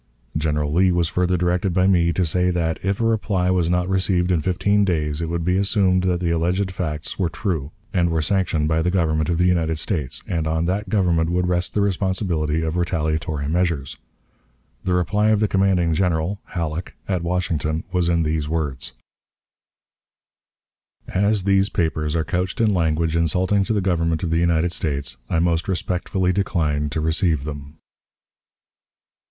General Lee was further directed by me to say that, if a reply was not received in fifteen days, it would be assumed that the alleged facts were true, and were sanctioned by the Government of the United States, and on that Government would rest the responsibility of retaliatory measures. The reply of the commanding General (Halleck) at Washington was in these words: "As these papers are couched in language insulting to the Government of the United States, I most respectfully decline to receive them."